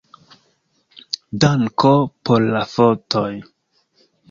Danko por la fotoj.